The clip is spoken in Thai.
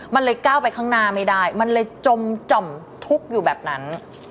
มันเลยก้าวไปข้างหน้าไม่ได้มันเลยจมจ่อมทุกข์อยู่แบบนั้น